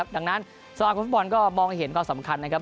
ดังนั้นสมาคมฟุตบอลก็มองให้เห็นข้อสำคัญ